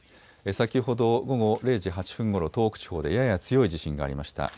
先ほど午後０時８分ごろ、東北地方でやや強い地震がありました。